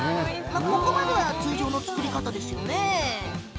ここまでは通常の作り方ですよね。